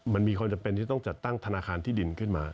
มันมีความจำเป็นที่ต้องจัดตั้งธนาคารที่ดินขึ้นมา